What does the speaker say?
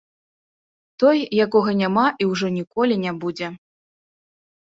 Той, якога няма і ўжо ніколі не будзе.